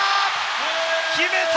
決めた！